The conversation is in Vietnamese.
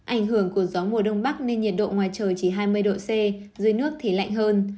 ảnh hưởng của gió mùa đông bắc nên nhiệt độ ngoài trời chỉ hai mươi độ c dưới nước thì lạnh hơn